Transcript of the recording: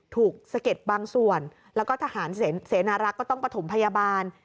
สะเก็ดบางส่วนแล้วก็ทหารเสนารักษ์ก็ต้องประถมพยาบาล